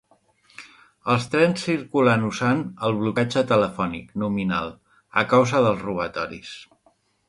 Els trens circulen usant el blocatge telefònic nominal a causa dels robatoris.